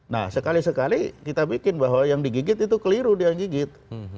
nah sekali sekali kita bikin bahwa yang digigit itu keliru dia yang gigit